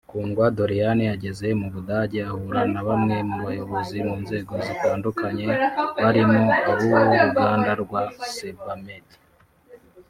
Kundwa Doriane yageze mu Budage ahura na bamwe mu bayobozi mu nzego zitandukanye barimo ab’uruganda rwa Sebamed